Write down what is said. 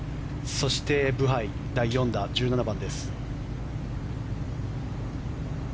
そして、ブハイ、第４打１７番です。